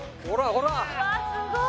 ほら！